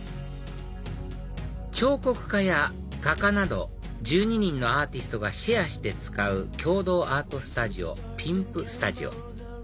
彫刻家や画家など１２人のアーティストがシェアして使う共同アートスタジオｐｉｍｐｓｔｕｄｉｏ